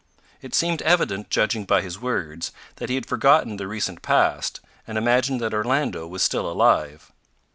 It seemed evident judging by his words, that he had forgotten the recent past, and imagined that Orlando was still alive.